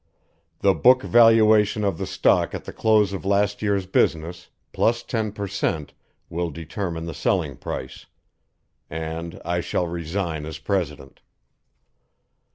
The book valuation of the stock at the close of last year's business, plus ten per cent. will determine the selling price, and I shall resign as president.